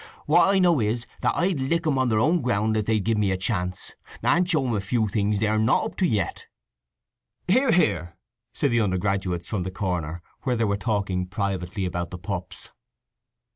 What I know is that I'd lick 'em on their own ground if they'd give me a chance, and show 'em a few things they are not up to yet!" "Hear, hear!" said the undergraduates from the corner, where they were talking privately about the pups.